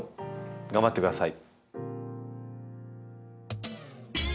頑張ってください。